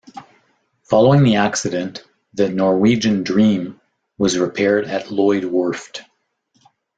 Following the accident, the "Norwegian Dream" was repaired at Lloyd Werft.